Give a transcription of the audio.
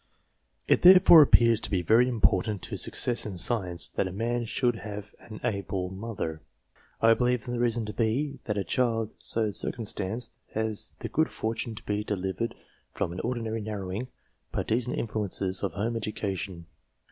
It therefore appears to be very important to success in science, that a man should have an able mother. I believe the reason to be, that a child so circumstanced has the good fortune to be delivered from the ordinary narrowing, partisan influences of home education.